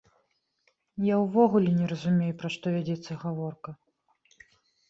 Я ўвогуле не разумею, пра што вядзецца гаворка!